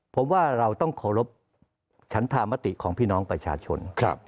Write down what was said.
ผมว่าเราต้องเคารพฉันธามติของพี่น้องประชาชน